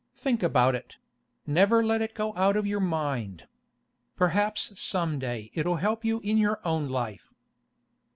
Think about it; never let it go out of your mind. Perhaps some day it'll help you in your own life.